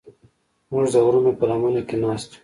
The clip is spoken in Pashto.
موږ د غرونو په لمنه کې ناست یو.